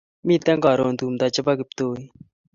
Miten tumdo karun chepo kiptuik